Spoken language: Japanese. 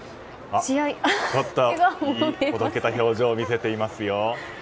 いいおどけた表情を見せていますよ。